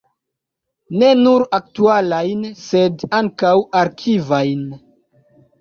Ne nur aktualajn, sed ankaŭ arkivajn.